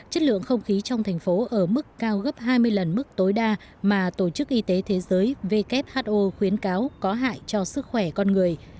chất lượng không khí trong thành phố ở mức cao gấp hai mươi lần mức tối đa mà tổ chức y tế thế giới who khuyến cáo có hại cho sức khỏe con người